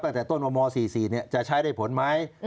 ตั้งแต่ต้นว่าม๔๔จะใช้ได้ผลไหม